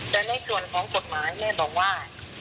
แต่ในส่วนของกฎหมายแม่บอกว่า